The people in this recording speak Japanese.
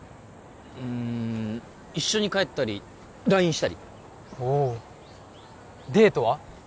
うん一緒に帰ったりＬＩＮＥしたりおおデートは？